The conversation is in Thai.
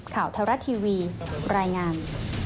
ข่าวทะละทีวีรายงาน